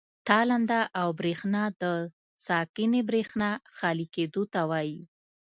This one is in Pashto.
تالنده او برېښنا د ساکنې برېښنا خالي کېدو ته وایي.